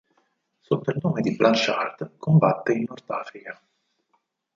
Sotto il nome di Blanchard, combatte in Nord Africa.